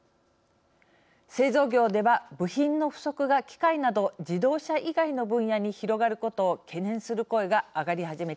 製造業では部品の不足が機械など自動車以外の分野に広がることを懸念する声が上がり始めています。